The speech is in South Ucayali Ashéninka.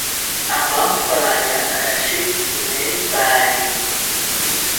Amampaya rashi tsimeripaini